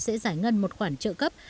sẽ giải ngân một khoản trợ cấp